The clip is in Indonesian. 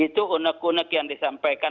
itu unek unek yang disampaikan